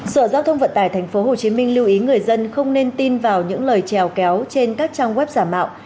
sở giao thông vận tải tp hcm lưu ý người dân không nên tin vào những lời trèo kéo trên các trang web giả mạo